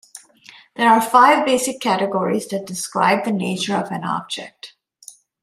There are five basic categories that describe the nature of an object.